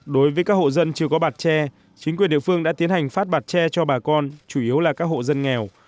đối với các hộ dân chưa có bạt tre chính quyền địa phương đã tiến hành phát bạt tre cho bà con chủ yếu là các hộ dân nghèo